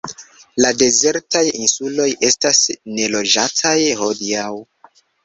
La dezertaj insuloj estas neloĝataj hodiaŭ.